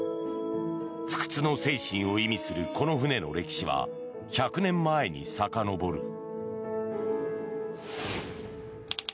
不屈の精神を意味するこの船の歴史は１００年前にさかのぼる。